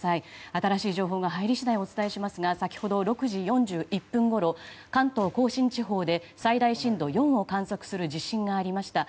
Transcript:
新しい情報が入り次第お伝えしますが先ほど６時４１分ごろ関東・甲信地方で最大震度４を観測する地震がありました。